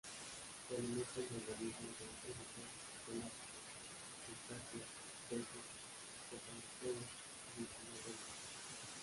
Se alimenta de organismos bentónicos y pelágicos: crustáceos, peces, cefalópodos y equinodermos.